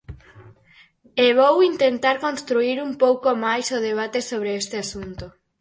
E vou intentar construír un pouco máis o debate sobre este asunto.